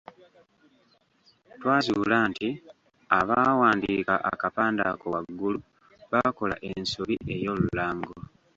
Twazuula nti abaawandiika akapande ako waggulu baakola ensobi ey’olulango.